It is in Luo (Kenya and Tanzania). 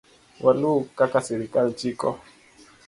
Waluw kaka sirkal chiko